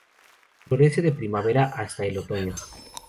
Florece de primavera hasta el otoño.